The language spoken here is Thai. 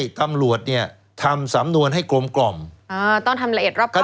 ต้องให้ตำรวจเนี่ยทำสำนวนให้กลมต้องทำละเอ็ดรับครอบ